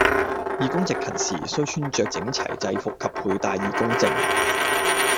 義工值勤時，須穿著整齊制服及佩戴義工證